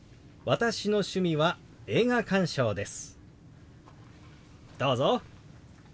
私の趣味は映画鑑賞です。